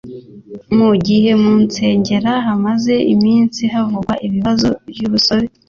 Mu gihe mu nsengera hamaze iminsi havugwa ibibazo by’urusobe